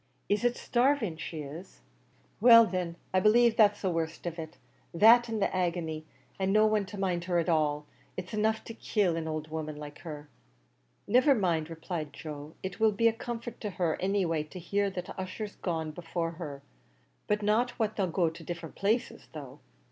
"Is it starving she is?" "Well thin, I b'lieve that's the worst of it; that an' the agny, an' no one to mind her at all, is enough to kill an owld woman like her." "Niver mind," replied Joe, "it will be a comfort to her any way to hear that Ussher's gone before her; not but what they'll go to different places, though."